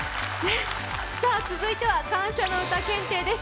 さあ、続いては感謝のうた検定です。